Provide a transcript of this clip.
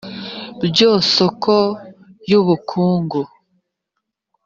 byo soko y ubukungu